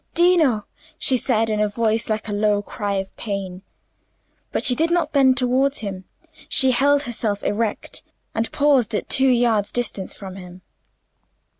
"Dino!" she said, in a voice like a low cry of pain. But she did not bend towards him; she held herself erect, and paused at two yards' distance from him.